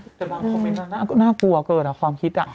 แต่บางคอมเมนต์น่ากลัวเกินความคิด